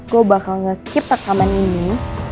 gue bakal nge keep rekaman ini